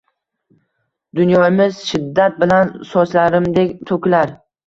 Dunyomiz shiddat bilan sochlarimdek to’kilar